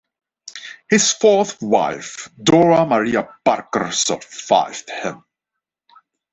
His fourth wife, Dora Maria Barker, survived him.